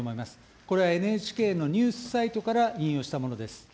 これはＮＨＫのニュースサイトから引用したものです。